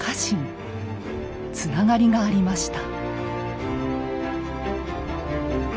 つながりがありました。